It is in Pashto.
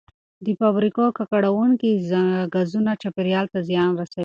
د فابریکو ککړونکي ګازونه چاپیریال ته زیان رسوي.